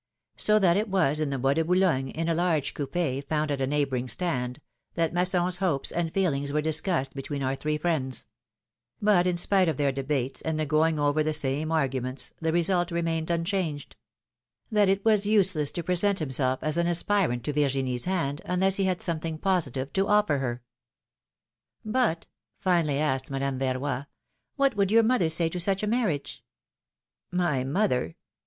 So that it was in the Bois de Boulogne, in a large coup4 found at a neighboring stand, that Masson's hopes and feelings were discussed betw^een our three friends; but in spite of their debates and the going over the same argu ments, the result remained unchanged: that it was useless PHILOMijNE's MARRIAGES. 251 to present himself as an aspirant to Virginia's hand, unless he had something positive to offer her. ^^But/' finally asked Madame Verroy, ^Svhat would your mother say to such a marriage ?" My mother